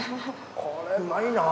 これうまいなぁ。